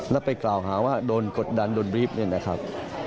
แล้วไปกล่าวหาว่าโดนกดดันโดนบรีฟเนี่ยนะครับ